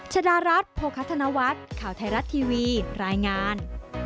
ชดารัฐโภคธนวัฒน์ข่าวไทยรัฐทีวีรายงาน